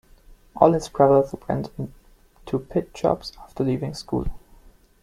All his brothers went into pit jobs after leaving school.